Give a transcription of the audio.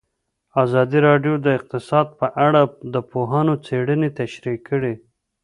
ازادي راډیو د اقتصاد په اړه د پوهانو څېړنې تشریح کړې.